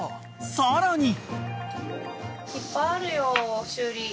［さらに］